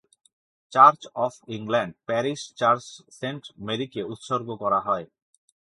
Church of England parish church saint মেরিকে উৎসর্গ করা হয়।